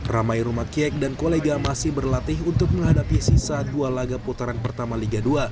ramai rumah kiek dan kolega masih berlatih untuk menghadapi sisa dua laga putaran pertama liga dua